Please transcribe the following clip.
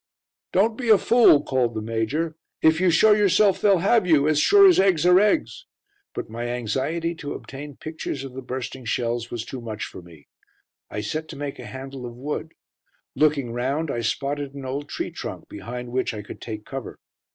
"Don't be a fool," called the Major. "If you show yourself they'll have you, as sure as eggs are eggs." But my anxiety to obtain pictures of the bursting shells was too much for me. I set to to make a handle of wood. Looking round, I spotted an old tree trunk, behind which I could take cover.